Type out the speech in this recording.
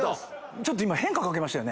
ちょっと今変化かけましたよね。